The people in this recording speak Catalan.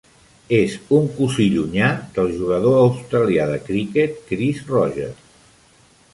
És un cosí llunyà del jugador australià de criquet Chris Rogers.